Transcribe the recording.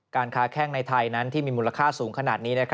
ค้าแข้งในไทยนั้นที่มีมูลค่าสูงขนาดนี้